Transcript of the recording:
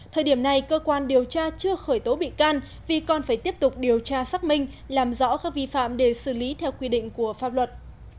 thời điểm này cơ quan điều tra chưa khởi tố bị can vì còn phải tiếp tục điều tra xác minh làm rõ các vi phạm để xử lý theo quy định của pháp luật